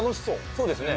そうですね。